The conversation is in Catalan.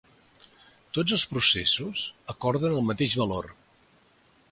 Tots els processos acorden el mateix valor.